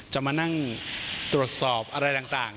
จะมานั่งตรวจสอบอะไรต่าง